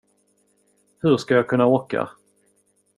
Hur ska jag kunna åka?